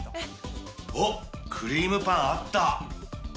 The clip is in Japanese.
おっ、クリームパンあった。